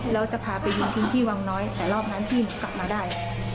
แล้วจะพาไปยิงทิ้งที่วังน้อยแต่รอบนั้นพี่หนูกลับมาได้